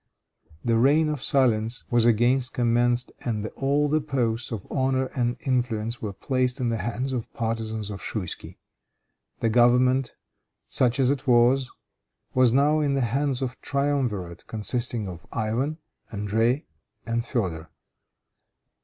The reign of silence was again commenced, and all the posts of honor and influence were placed in the hands of the partisans of Schouisky. The government, such as it was, was now in the hands of a triumvirate consisting of Ivan, André and Feodor.